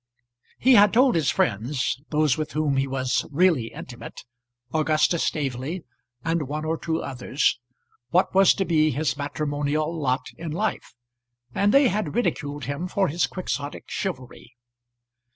He had told his friends, those with whom he was really intimate, Augustus Staveley and one or two others, what was to be his matrimonial lot in life; and they had ridiculed him for his quixotic chivalry.